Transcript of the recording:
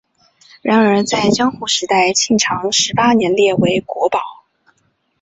然而在江户时代庆长十八年列为国宝。